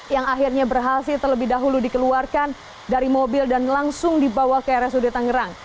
yang akhirnya berhasil terlebih dahulu dikeluarkan dari mobil dan langsung dibawa ke rsud tangerang